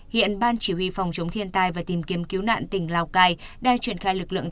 hiện ban chỉ huy phòng chống thiên tai và tìm kiếm cứu nạn tỉnh lào cai đang triển khai lực lượng